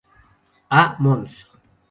A Mons.